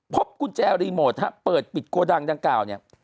พบกุญแจรีโมทเปิดปิดโกดังดังกล่าวเนี่ย